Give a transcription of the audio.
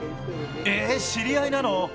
えー、知り合いなの？